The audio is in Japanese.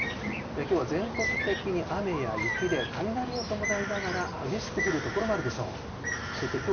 きょうは全国的に雨や雪で、雷を伴いながら、激しく降る所もあるでしょう。